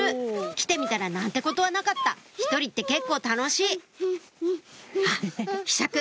来てみたら何てことはなかった１人って結構楽しいあっひしゃく